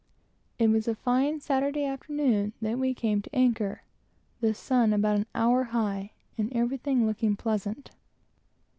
It was a fine Saturday afternoon when we came to anchor, the sun about an hour high, and everything looking pleasantly.